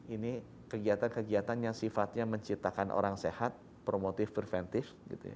ini kegiatan kegiatan yang sifatnya menciptakan orang sehat promotif preventif